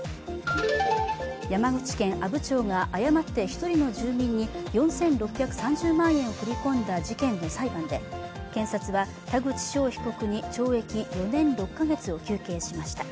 山口県阿武町が誤って１人の住人に４６３０万円を振り込んだ事件の裁判で検察は田口翔被告に懲役４年６か月を求刑しました。